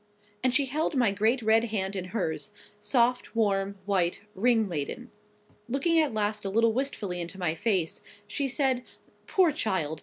And she held my great red hands in hers,—soft, warm, white, ring laden. Looking at last a little wistfully into my face, she said—"Poor child!